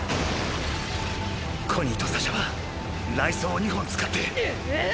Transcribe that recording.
コニーとサシャは雷槍を２本使ってはっ！！